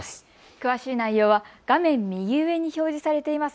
詳しい内容は画面右上に表示されています